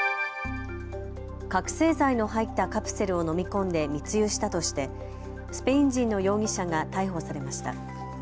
覚醒剤の入ったカプセルを飲み込んで密輸したとしてスペイン人の容疑者が逮捕されました。